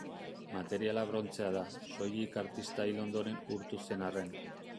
Materiala brontzea da, soilik artista hil ondoren urtu zen arren.